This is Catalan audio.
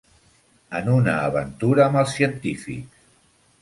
En una aventura amb els científics!